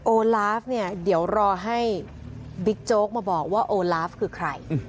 ลาฟเนี่ยเดี๋ยวรอให้บิ๊กโจ๊กมาบอกว่าโอลาฟคือใคร